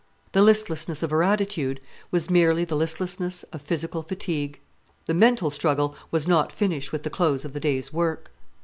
The listlessness of her attitude was merely the listlessness of physical fatigue. The mental struggle was not finished with the close of the day's work.